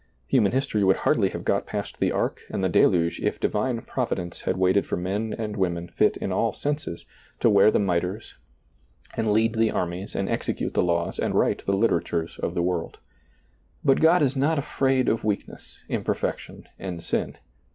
Human history would hardly have got past the ark and the deluge if Divine Provi dence had waited for men and women fit in all ^lailizccbvGoOgle 44 SEEING DARKLY senses to wear the mitres and lead the armies and execute the laws and write the literatures of the world. But God is not afraid of weakness, imper fection, and sin.